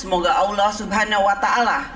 semoga allah subhanahu wa ta'ala